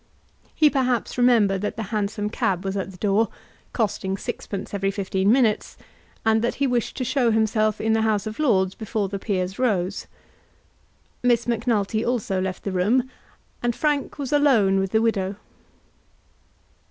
He perhaps remembered that the Hansom cab was at the door, costing sixpence every fifteen minutes, and that he wished to show himself in the House of Lords before the peers rose. Miss Macnulty also left the room, and Frank was alone with the widow.